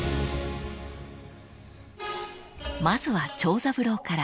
［まずは長三郎から］